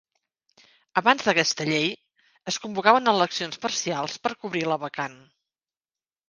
Abans d'aquesta llei, es convocaven eleccions parcials per a cobrir la vacant.